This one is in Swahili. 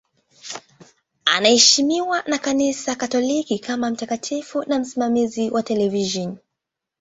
Anaheshimiwa na Kanisa Katoliki kama mtakatifu na msimamizi wa televisheni.